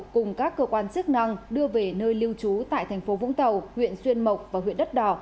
cùng các cơ quan chức năng đưa về nơi lưu trú tại thành phố vũng tàu huyện xuyên mộc và huyện đất đỏ